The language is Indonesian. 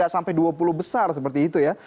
tiga sampai dua puluh besar seperti itu ya